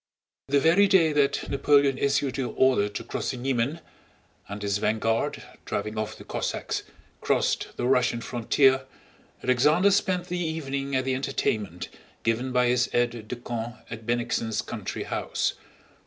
The very day that Napoleon issued the order to cross the Niemen, and his vanguard, driving off the Cossacks, crossed the Russian frontier, Alexander spent the evening at the entertainment given by his aides de camp at Bennigsen's country house.